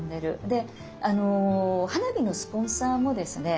で花火のスポンサーもですね